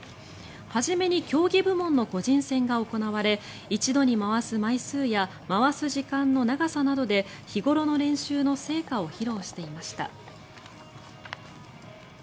初めに競技部門の個人戦が行われ一度に回す枚数や回す時間の長さなどで日頃の練習の成果を披露していました。